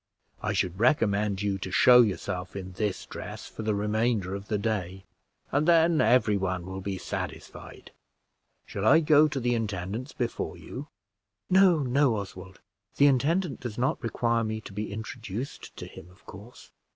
I should recommend you to show yourself in this dress for the remainder of the day, and then every one will be satisfied. Shall I go to the intendant's before you?" "No, no, Oswald; the intendant does not require me to be introduced to him, of course.